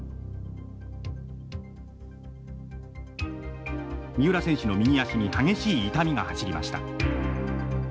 三浦選手の右足に激しい痛みが走りました。